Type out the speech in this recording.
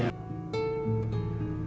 bagaimana cara menjual batu ini